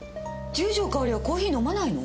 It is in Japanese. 十条かおりはコーヒー飲まないの？